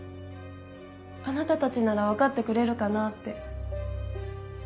あなたたちなら分かってくれるかなぁって。